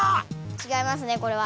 ちがいますねこれは。